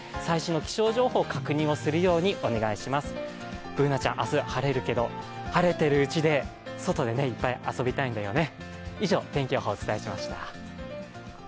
Ｂｏｏｎａちゃん、明日晴れるけど、晴れてるうちで、外でいっぱい遊びたいんだよね。